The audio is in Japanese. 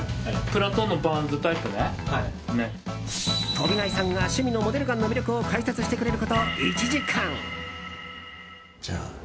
飛内さんが趣味のモデルガンの魅力を解説してくれること１時間。